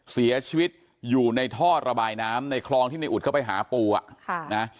เสียชีวิตอยู่ในท่อระบายน้ำในคลองที่ในอุดเข้าไปหาปูอ่ะค่ะนะ